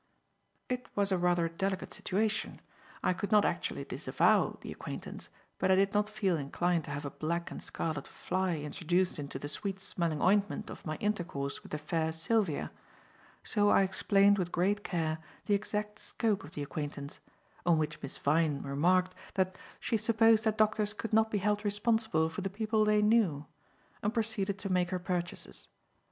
It was a rather delicate situation. I could not actually disavow the acquaintance, but I did not feel inclined to have a black and scarlet fly introduced into the sweet smelling ointment of my intercourse with the fair Sylvia; so I explained with great care the exact scope of the acquaintance; on which Miss Vyne remarked that "she supposed that doctors could not be held responsible for the people they knew"; and proceeded to make her purchases.